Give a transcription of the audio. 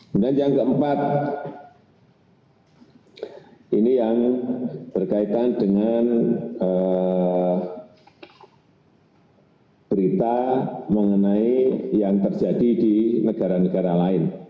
kemudian yang keempat ini yang berkaitan dengan berita mengenai yang terjadi di negara negara lain